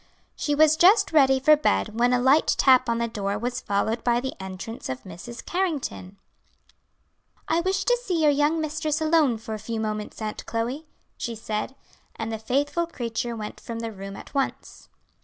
She was just ready for bed when a light tap on the door was followed by the entrance of Mrs. Carrington. "I wish to see your young mistress alone for a few moments, Aunt Chloe," she said, and the faithful creature went from the room at once.